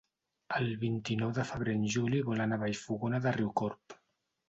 El vint-i-nou de febrer en Juli vol anar a Vallfogona de Riucorb.